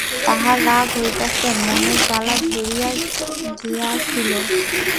তাহার রাগ হইতেছিল, মনে জ্বালা ধরিয়া গিয়াছিল।